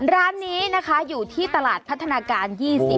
ร้านนี้นะคะอยู่ที่ตลาดพัฒนาการ๒๐